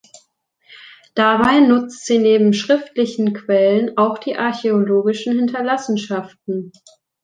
Dabei nutzt sie neben schriftlichen Quellen auch die archäologischen Hinterlassenschaften.